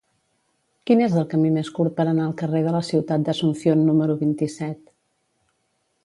Quin és el camí més curt per anar al carrer de la Ciutat d'Asunción número vint-i-set?